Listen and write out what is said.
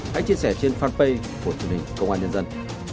hãy chia sẻ trên fanpage của chương trình công an nhân dân